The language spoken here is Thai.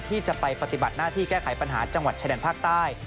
ที่จะไปปฏิบัติหน้าที่แก้ไขปัญหาจังหวัดชายแดนภาคใต้